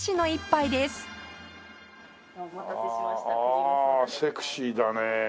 ああセクシーだねえ。